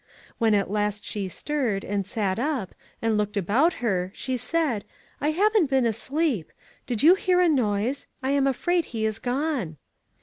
When at last she stirred, and sat up, and looked about her, she said: 'I haven't been asleep. Did you hear a noise? I am afraid he is gone.'